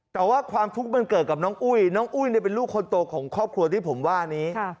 แต่ว่าความทุกข์มันเกิดกับน้องอุ้ยน้องอุ้ยเป็นลูกคนโตของครอบครัวที่ผมว่านี้